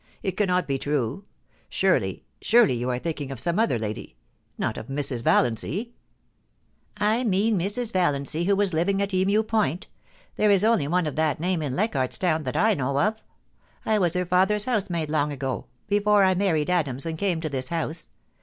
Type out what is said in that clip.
It cannot be true. Surely — surely you are thinking of some other lady — not of Mrs. Valiancy.' * I mean Mrs. Valiancy who was living at Emu Point. There is only one of that name in Leichardt's Town that I know of. I was her father's housemaid long ago, before I married Adams and came to this house.